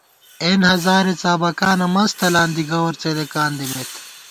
اېن ہزارے څابَکانہ منز تلان دی گوَر څېدېکان دِمېت